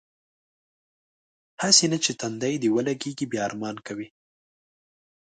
هسې نه چې تندی دې ولږي بیا ارمان کوې.